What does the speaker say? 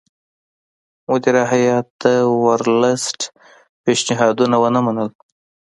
مدیره هیات د ورلسټ پېشنهادونه ونه منل.